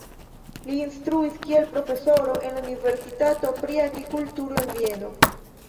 Li instruis kiel profesoro en la Universitato pri agrikulturo en Vieno.